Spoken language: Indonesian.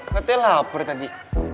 katanya lapar tadi